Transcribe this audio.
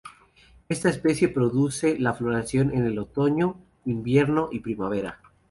Esta especie produce la floración en el otoño, invierno y primavera.